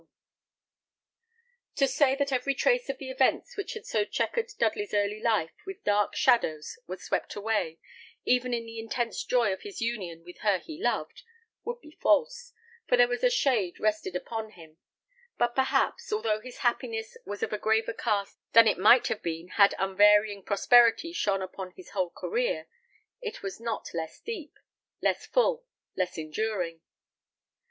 To say that every trace of the events which had so chequered Dudley's early life with dark shadows was swept away, even in the intense joy of his union with her he loved, would be false, for there was a shade rested upon him; but perhaps, although his happiness was of a graver cast than it might have been had unvarying prosperity shone upon his whole career, it was not less deep, less full, less enduring.